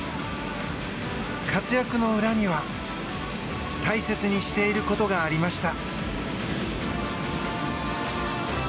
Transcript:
活躍の裏には大切にしていることがありました。